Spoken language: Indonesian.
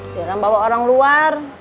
jangan bawa orang luar